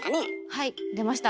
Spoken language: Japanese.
はい出ました。